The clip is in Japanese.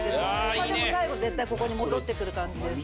まあでも最後絶対ここに戻ってくる感じです。